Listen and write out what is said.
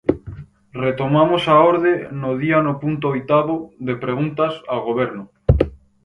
Retomamos a orde no día no punto oitavo, de preguntas ao Goberno.